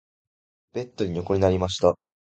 ベッドに横になりました。